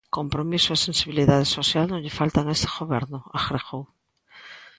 "Compromiso e sensibilidade social non lle faltan a este Goberno", agregou.